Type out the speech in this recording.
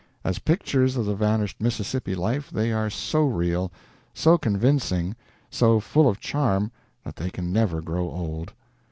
As pictures of the vanished Mississippi life they are so real, so convincing, so full of charm that they can never grow old.